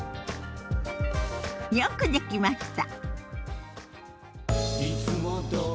よくできました。